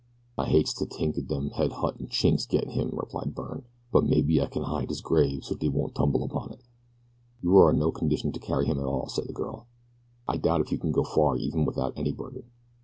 "I hates to tink o' dem head huntin' Chinks gettin' him," replied Byrne; "but maybe I kin hide his grave so's dey won't tumble to it." "You are in no condition to carry him at all," said the girl. "I doubt if you can go far even without any burden."